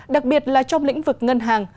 đặc biệt là trong lĩnh vực ngân hàng